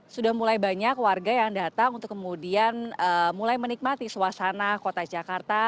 sudah mulai banyak warga yang datang untuk kemudian mulai menikmati suasana kota jakarta